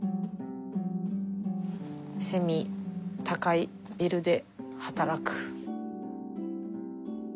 「セミ高いビルではたらく」。